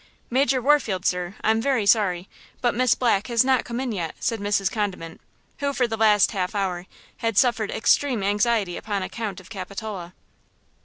"Major Warfield, sir, I'm very sorry, but Miss Black has not come in yet," said Mrs. Condiment, who for the last half hour had suffered extreme anxiety upon account of Capitola.